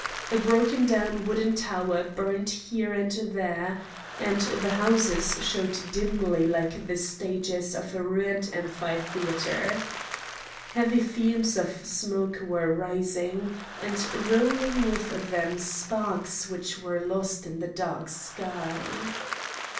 A broken down wooden tower burned here and there, and the houses showed dimly like the stages of a ruined ampitheatre. Heavy fumes of smoke were rising, and rolling with them sparks which were lost in the dark sky.